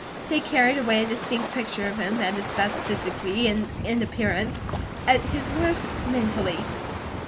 They carried away a distinct picture of him, at his best physically and in appearance; at his worst mentally.